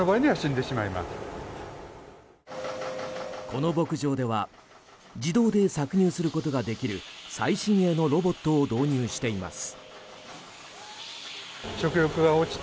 この牧場では自動で搾乳することができる最新鋭のロボットを導入しています。